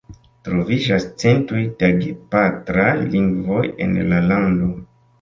Troviĝas centoj da gepatraj lingvoj en la lando.